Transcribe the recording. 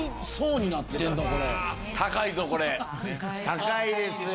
高いですよ。